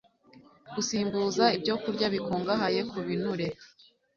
Gusimbuza ibyokurya bikungahaye ku binure